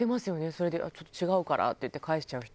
それで「ちょっと違うから」って言って返しちゃう人。